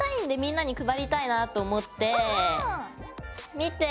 見て。